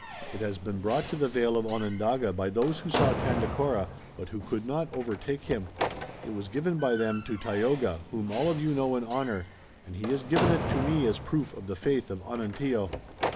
It has been brought to the vale of Onondaga by those who saw Tandakora, but who could not overtake him. It was given by them to Tayoga, whom all of you know and honor, and he has given it to me as proof of the faith of Onontio.